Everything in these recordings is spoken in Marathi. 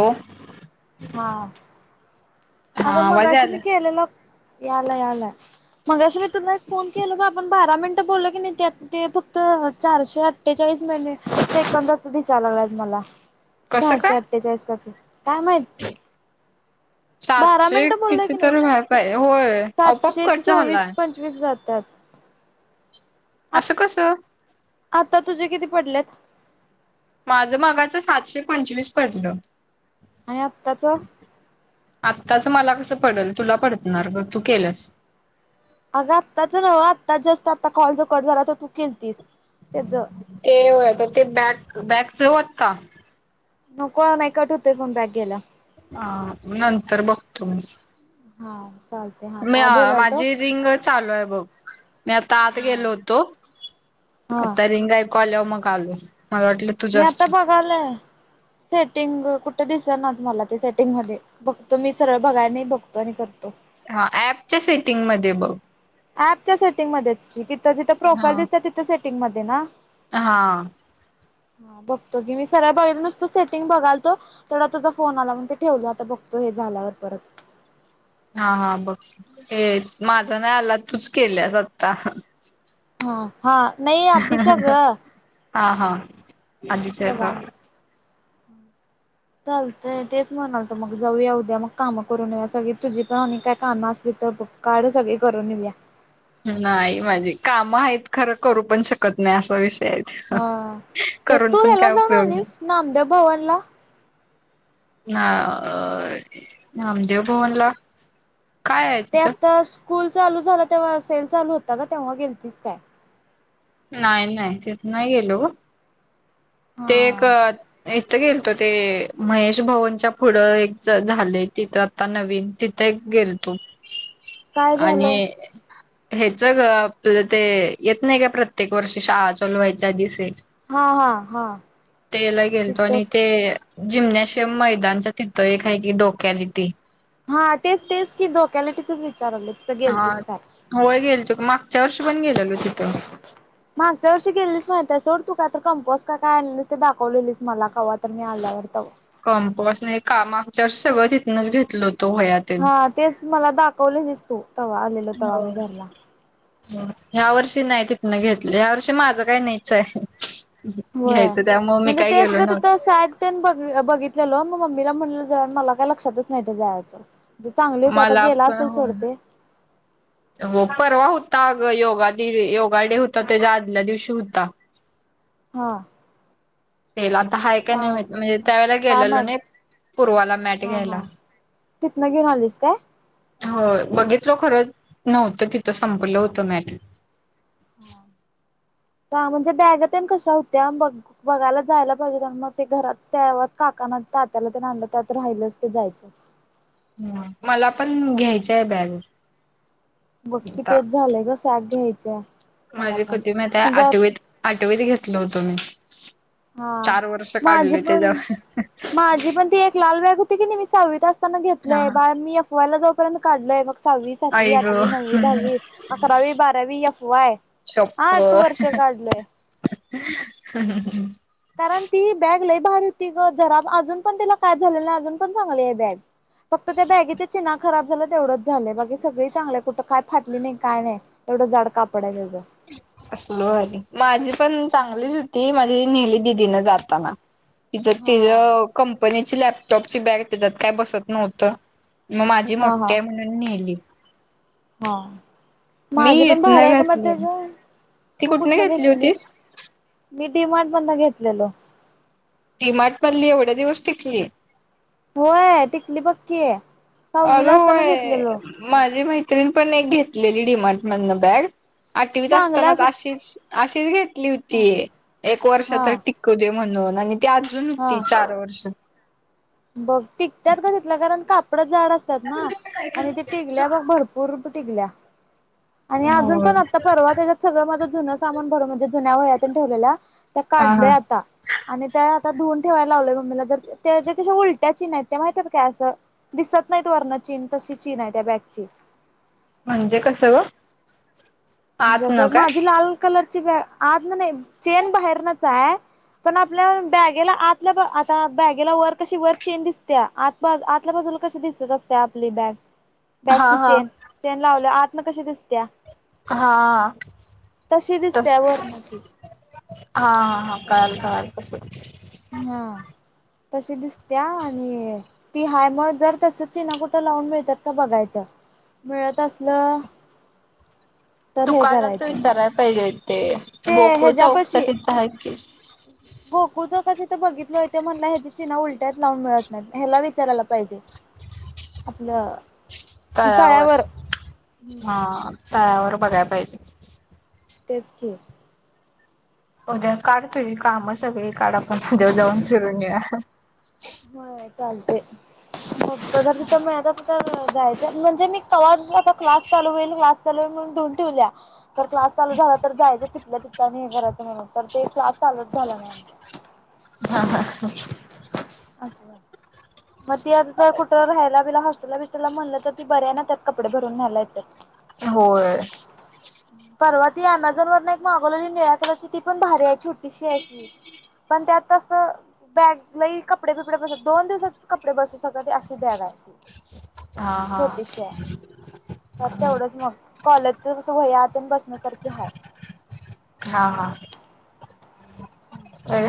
ओ हा हा आग आवाज मगाशी आला मी केलेला यायलाय यायलाय. मगाशी मी तुला एक फोन केलो बग आपण बारा मिनटं बोलो कीनाय ते आता ते फक्त चारशे अठ्ठेचाळी ळीस मिनिट सेकंदाच दिसाय लागल्यात मला. कसं सहाशे काय अठ्ठेचाळीस काके काय माहित. [inaudible] बारा सातशे मिनिटं बोललंय किती की नई तर व्हाय पाहिजे होय आपोआप सातशे कट चोवीस झालाय पंचवीस जात्यात. असं कसं? आता तुझे किती पडलेत. माझ मगाच सातशे पंचवीस पडलं. आणि आत्ताच? आत्ताच मला कसं पडल तुला पडतणार ग तू केल्यास अग आत्ता तच नव्हं आत्ता जस्ट आता कॉल जो कट झाला तो तू केलतीस. त्याच ते व्हय ते तर बॅक बॅक च होत का? नको नाही कट होत फोन बॅग घ्यायला. ह नंतर बघतो मी. हा. चालते हा मी काय अ बोलाल तो माझी रिंग चालू आहे बघ मी आता आत गेलो हा. होतो. हा आता रिंग ऐकू आल्यावर मग आलो. मला वाटलं मी तुझं आता असशील बघालय सेटिंग कुठ? दिस ना मला ते सेटिंग मध्ये बघतो मी सरळ बघाय नाही बघतो आणि करतो. हा ऍपच्या सेटिंगमध्ये बघ. ऍपच्या सेटिंग मध्ये च कि तिथं जिथं हा प्रोफाईल दिसत तिथे सेटिंग मध्ये ना, हा. हा बघतो की मी सरळ बघितल नसलं नुसता सेटिंग बघालतो तेवढ्यात तुझा फोन आला म्हणून ते ठेव जाआता बघ तुह्य झाल्यावर परत. हा हा बघ हे माझं नाय आला तूच केल्याज आत्ता. ह हा नाही आधीचा ग हा हा आधीच्या तवा. का? चालतंय तेच म्हणालतो मग जाऊया मग कामं करून येवूया सगळी तुझी पण काय कामं असली. तप काढ सगळी करून येवू या. नाही माझी काम आहेत खरं करू पण शकत नाही असा विष हा [unintelligible] तेच करून तू पण ह्याला काय जाऊन उपयोग नाही. आलीस नामदेव भवनला नामदेव भवनला. काय आहे ते तिथं आता स्कूल चालू झालं तेव्हा सेल चालू होता ग तेव्हा गेलतीस काय? नाही नाही तिथ नाही गेलो ते एक हा एक तिथं गेलतो ते महेश भवनच्या पुढं एक झालयं तिथं आता नवीन तिथं एक गेलतो काय आणि झालंय हेचं ग आपलं ते येत नाही का प्रत्येक वर्षी शाळा चालू व्हायच्या आधी सेल हा हा. तेअला गेलतो तिथं आणि ते. जिम्नॉशियम मैदानच्या तिथं एक आहे की डोक्यालिटी हा तेच तेच की डोक्यालिटीचचं हा होय गेलतो मागच्या वर्षी पण गेलेलो तिथं. मागच्या वर्षी गेलेलीस माहित आहे सोड तु त आता कंपॉस का काय आणली ते दाखवलेलीस मला कवा तर मी आल्यावर तवा कंपॉस नाही का मागच्या वर्षी सगळं तिथनच घेतलं होत. हा तेच मला दाखवलेलीस तु तवा आलेलो तवा मी घरला. ह्या वर्षी नाही तिथनं घेतलं ह्या वर्षी माझं काही नाहीच आहे. होय घ्यायचं त्यामुळे मी म्हणजे काय तेच गेलो ग तिथ नव्हतो सॅक तेन बघ अ बघित गेलो मग मम्मीला म्हणलो ज मला काही लक्षातच नाही ते जायचं. ते चांगली होती आता मला गेला पण असेल सोड ते हो परवा होता आग ग योगा दि योगा डे होता त्याच्या आदल्या दिवशी होता. हा. तेला आता हायं काय हा नाही माहित म्हणजे असं त्यावेेळेला काय गेलेलो माहित नाही पूर्वाला मॅट घ्यायला. तिथंन घेऊन आलीस काय? होयं बघितलो खरं नव्हतं तिथं संपलं होतं मॅट हां म्हणजे बॅगा तेन कशा होत्या बघायला जायला पाहिजे होत मग ते घरात तेव्हाच काकाना तात्याला तेन आणलं त्यात राहिलंच ते जायचं. ह मला पण घ्यायची आहे बॅग. बक्की आता तेच झालंय ग सॅक घ्यायचीयं. माझी कधी माहितेय आठवीत आठवीत घेतलो होतो मी. हा चार वर्ष माझी काढले पण त्याच्यावर माझी पण ती एक लाल बॅग होती. क नी मी सहावित असताना हा घेतलय बाळ मी एफ वाय ला जाऊ पर्यंत काढलेय. सहावी, सातवी, आई ग आठवी, नववी, दहावी, अकरावी, बारावी एफ वाय. आठ वर्ष काढलय शपथ कारण ती बॅग लई लय भारी होती ग जरा अजून पण त्याला काय झालेलं अजून पण चांगली बॅग. फक्त ते बॅगे च चिना खराब झालं तेवढंच झालंय बाकी सगळी चांगलंय कुठं काय फाटली नाही काय नाही तेवढं जाड कापड हाय त्याच. लो माझी पण चांगलीच होती नेले दीदीने जाताना तिच्या तिला हा. कंपनीचे लॅ लॅपटॉपची बॅग त्याच्यात काय बसत नव्हतं मग माझी मोठ्ठी आहे म्हणून नेली. हां मी माझे पण भारी इथनं आहे का मग घातली त्याच ती तू कुठनं कुठन घेतली घेतलेलीस होतीस मी डी मार्ट मध्ये घेतलेलो. डी मार्ट मधली एवढे दिवस टिकली. होय टिकली पक्की आहे. अगं होय माझी मैत्रिण पण एक घेतलेली डि मार्ट मधून बॅग. आठवीत चांगल्या असतानाच अस अशीच अशीच घेतली होती एक वर्ष हा तर टिकू दे म्हणून. ते अजून होती हा चार वर्ष बघ तिथल्या का तथलं कारण का जाड असतात ना आणि ते टिकल्या मग भरपूर टिकल्या. आणि अजून होय पण आता परवा त्याच्यात सगळं माझं जुनं सामान भर म्हणजे जुन्या वह्या भरुन ठेवलेला त्या. हा काढलय हा. आता आणि त्या आता धुवून ठेवायला लावलंय मम्मीला ज त्या तशा उलट्या चीन आहेत त्या माहितात काय असं दिसत नाहीत वर्ण चीन तशी चीन आहे त्या बॅगची. [inaudible] म्हणजे कस गं म्हणजे असं माझी लाल कलरची आज ना नाही चेन बाहेरनच आहे. पण आपल्या बॅगेला आतल्या आता बॅगेला वर कशी वर चैन दिसते आ आतल्या बाजून. कशी दिसत असते आपली बॅग हा बॅगची हा चैन चैन लावल्या आतन मग कशी दिसत्या. हा तशी तस दिसत्या हां वरन ती हां हां कळाल कळाल तसं ह्ं तशी दिसत्या आणि ती हाय मग जर तस चिना कुठं लावून मिळतात तर बघायचं. मिळत असलं तर हे दुकानात तर करायचं विचाराय पाहिजे? ते ते हो ग चाौकचा ह्याच्यापाशी तिथं आहेत की बघितल हो ते म्हण ह्याची चिना्हा उलट्यात लावून मिळत नाही ह्याला विचारायला पाहिजे? आपलं तळ्यावर हा तळ्यावर बघायला पाहिजे. तेच की उद्या काढ तुझी काम सगळी काढ आपण उद्या जाऊन फिरून येऊया. होय चालते प तर म [unintelligible] तर म्हणजे मी कता क्लास चालू होईल क्ला चान ठेवला क्सास चालू झालं तर जायचं तिथल्या तिथ घरायचं नाही तर ते क्लास चालूच झाला नाही आ. हा हा ह. असं झालं. मग ती आता ती कुठं राहायला बिला हॉस्टेलला बिस्टेलला म्हणलं तर ती बरी आहे ना त्यात कपडे भरून न्यायला येत्यात. होय. परवा ती अमेझॉन वरन एक मागवलेली निळ्या कलरची ती पण भारी आहे छोटीशी अशी. पण ते आता अस बॅग लई कपडे बिपडे बसत दोन दिवस कपडे बसू शकत्यात अशी बॅग आहे. हा हा छोटीशीये त्यात तेवढंच मा कॉलेजचं कस वह्या तेनं बसण्यासारखी हाय. हा हा.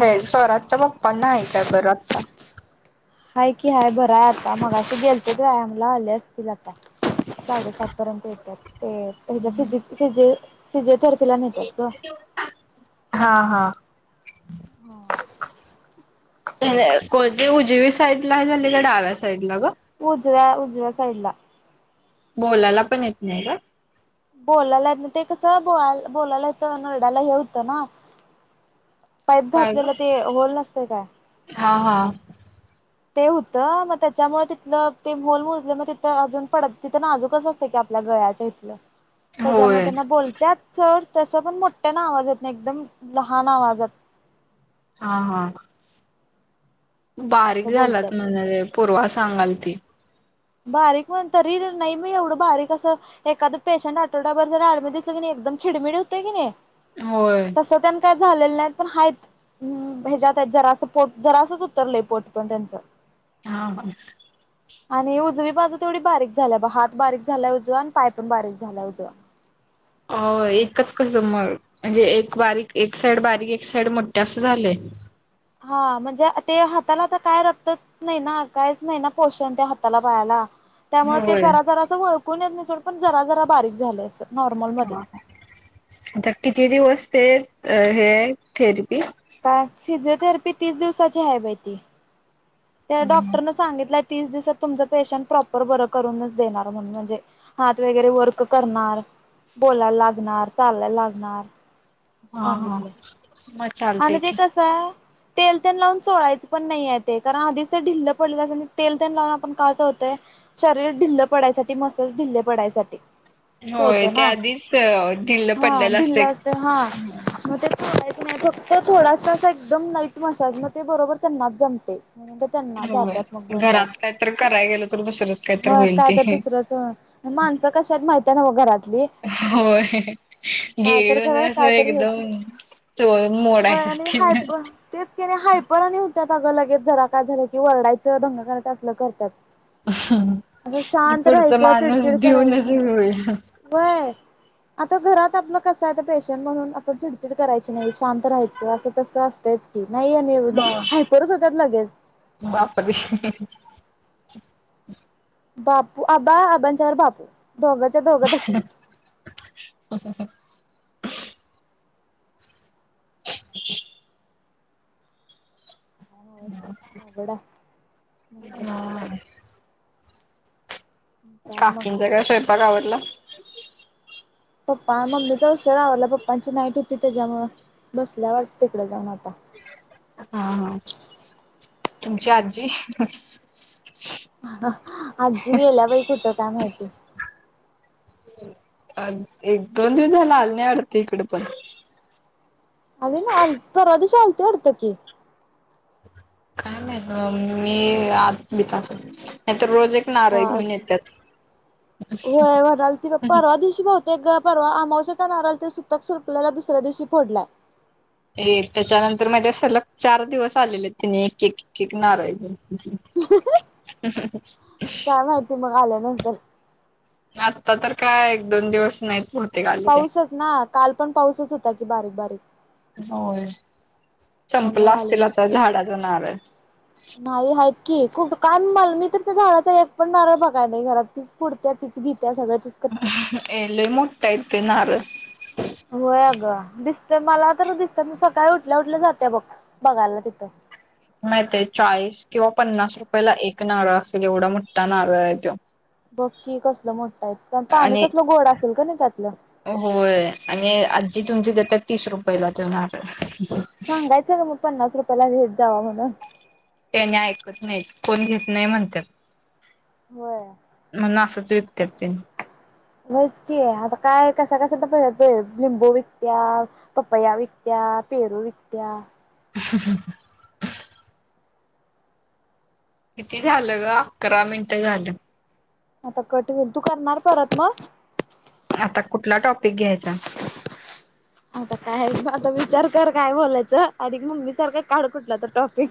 हे स्वराजच्या पप्पांना आहे काय बरं आत्ता? हाय कि हाय. बराय आता. मगाशी गेलतीत व्यायामला, आले असतील आता. साडेसात पर्यंत येत्यात ते. यांच्या फिज फिजिओ फिजीओथेरपीला नेत्यात गं. [inaudible] हा हा. हा. क कोणती उजवी साईडला झालेल, डाव्या साईडला गं? उजव्या उजव्या साईडला. बोलायला पण येत नाही का? बोलायला येत नाई ते कसं बोलाय बोलायला हितं नरड्याला हे होतं ना. पाईप काय ग घातलेलं ते होल नसतय काय. हा हा. ते होतं मग त्याच्यामुळ तिथलं ते होल मुजलं मग तिथं अजून पडत तिथं नाजूकस असतय की आप आपल्या गळ्याच्या इथलं, त्याच्यामुळं होय त्यांना बोलत्यात सोड तस पण मोठ्यान आवाज येत नाही, एकदम लहान आवाजात हा हा बारीक असं झाल्यात बोलत्यात म्हणाले, पूर्वा सांगाय ती. बारीक म्हण तरी नाही बाई एवढं बारीक असं एखांद पेशंट जर आठवडाभर ऍडमिट दिसलं की नाही एकदम खिडमिड होतयं की नाही होय तस त्यांच झालेलं नाई. पण हायेत, अ ह्याच्यात आहेत जरासं पोट जरासच उतरलंय पोट पण त्यांच. हा ह. आणि उजवी बाजू तेवढी बारीक झालिया ब, हात बारीक झाला उजवा आणि पाय पण बारीक झाला उजवा. हो एकच कसं म म्हणजे एक बारीक एक साईड बारीक एक साईड मोेठ्ठी असं झालंय? [inaudible] हा म्हणजे ते हाताला आता काय रक्तच नाही ना, कायच नाही ना पोषण त्या हाताला पायाला त्यामुळे ते होय जरा जरा असं वळकून येत नाई सोडं पण जरा जरा बारीक झालय अस नॉर्मलमध्ये. [inaudible] आता किती दिवस ते हे थेरीपी? काय फिजिओथेरपी तीस दिवसाची आहे बाई ती. ते हा डॉक्टरन सांगितलंय. तीस दिवसात तुमच पेशंट प्रॉपर बरं करूनच देणार म्हणून म्हणजे हात वगैरे वर्क करणार बोलायला लागणार, चालायला लागणार. अस हा सांगितलंय मग आणि चालते ते की कसं तेल तेल लावून चोळायचं पण नाहीये ते. कारण आधीच ते ढिल्ल पडलेलं असतयं आणि तेल तेन लावून आपण काय करतोय शरीर ढिल्ल पडायसाठी मसाज ढिल्ल ढिल्ल पडायसाठी होय चोळतोय ते ना आधीच ढिल्लं हा पडल्यालं असतय ढिल्ल असतंय हा हं हं. मग ते चोळायचं नाही, फक्त थोडासा असा एकदम लाईट मसाज मग ते बरोबर त्यांनाच जमतय. त्यांना होय जातात मग दोन तास, घरात काहीत कराय गेलं तर दुसरंच काहीत होय होईल ते कायतर तिसरंच माणसं कशी आहेत माहितीये नव्ह घरातली. होय. ह ह काय तर गेलेल करा जरास काय तर एकदम चोर होय आणि मोडायसाठी हायप तेच की आणी हायपर आणी हुत्यात. अगं लगेच जरा काय झालं की वरडायचं, दंगा करायचा असलं करत्यात. [inaudible] असं शांत पुढचा राहायचं, माणूस चिडचिड करायचं भिऊनच नाही. होईल. व्हय आता घरात आपलं कसं आहे तर पेशंट म्हणून आपण चिडचिड करायची नाही, शांत राहायचं असं तसं असतय च की नाही आणि एवढं हायपरच होत्याच लगेच. बापरे! [inaudible] बापू, अबा अबांच्यावर बापू. दोघच्या दोघ तसली. [inaudible] अवघड हाय म्हणलं. काय मग. काकींचा काय स्वयंपाक आवरला? पप्पा मम्मीचा उशर आवरला पप्पांची नाईट होती त्याच्यामूळ, बसल्यावाटत तिकड जाऊन आता. हा हा. तुमची आजी? आजी गेल्या बई कुठं काय माहिती. अ एक दोन दिवस झाल आल नाही वाटतं इकड पण. आली नाय? आल परवादिवशी आलती वाटतं की. काय माहित मी आत बित असल. नाहीतर रोज एक नारळ हा. घेऊन येतात. होय म्हणालती ग परवादिशी बहुतेक गं परवा आमावश्याचा नारल ते सुतक संपलेल्या दुसऱ्या दिवशी फोडलाय. ए त्याच्यानंतर माहितीय, सलग चार दिवस आलेले तिने एकएक एकएक नारळ घेऊन. काय माहिती मग आल्यानंतर आता तर काय एक दोन दिवस नाहीत बहु पाऊसच ना, काल पण पाऊसच होता की बारीक बारीक. होय. संपला त्यामुळे आले असतील आता नसेल झाडाचा नारळ. नाही आहेत की. खूप काय मल मी तर त्या झाडचा एक पण नारळ बघाय नाही घरात तीच पुडत्या तीच घी ए लई मोठ हायत ते नारळ. होय अ गं दिस ते मला तर दिसत्यात. मी सकाळी उठल्या उठल्या जात्या बघ बघायला तिथं. माहित हाय चाळीस किंवा पन्नास रुपयाेला एक नारळ असेल एवढा मोठा नारळ आहे त्यो. बग की कसलं मोठं हाय, त कारण पाणी आणि कसलं गोड असेल का नाही त्यातलं. होय आणि आजी तुमची देत्या तीस रुपयला त्यो नारळ. सांगायचं ग मग पन्नास रुपयाला देत जावा म्हणून. त्यांनी ऐकत नाहीत, कोण घेत नाही म्हणतात. व्हय म्हणून असंच विकतात त्यानी व्हायचं कि आता काय कसा कसा तर लिंबू विकत्या, पपया विकत्या, पेरू विकत्या. [inaudible] किती झालं ग? अकरा मिनिट झालं. आता कट होईल. तू करणार परत मग? आता कुठला टॉप आता काय म आता विचार कर काय बोलायचं आणि मम्मी सारखा काढ कुठला तर टॉफिक.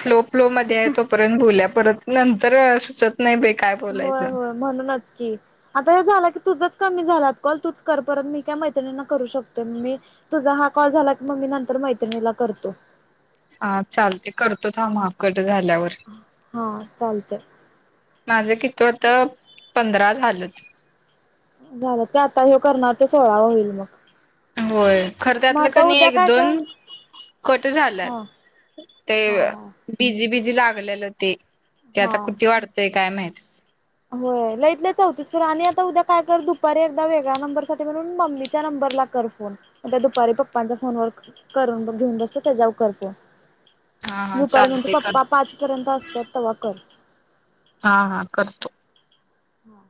फ्लो फ्लो मध्ये आहे तोपर्यंत बोलूया, परत नंतर सुचत नाही बे काय होय बोलायचं होय म्हणूनच की, आता हे झालं की तुझंच कमी झाल्यात कॉल तूच कर मी काय मैत्रिणींना करू शकतोय. मी तुझा हा कॉल झाला की नंतर मी मैत्रिणीला करतो. हा चालते करतो थांब हा कट. झाल्यावर हा चालतय. माझं किती होत, पंधरा झालं. झालं ते आता ह्यो करणार ते सोळावा होईल मग. होय खरं मग त्यातलं क आता नाही उद्या एक काय दोन कर कट हा झाल्यात ते हा हा बीजी बीजी झालेत. ले होती की हा आता किती वाढतोय काय माहिती? होय लइतलय चौतीसपुर आणि आता उद्या काय कर दुपारी एकदा वेगळ्या नंबरसाठी म्हणून मम्मीच्या नंबर ला कर फोन मग त्या दुपारी पप्पांच्या फोन व करून घेऊन बसत त्याच्यावर कर फोन. हा हा दुपारी म्हणजे चालते कर पप्पा पाच पर्यंत असतात तवा कर. हा हा करतो. हां